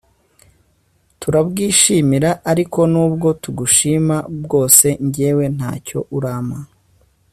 turabwishimira; ariko n'ubwo tugushima bwose, jyewe nta cyo urampa,